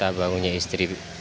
anda boleh menyediakan kasus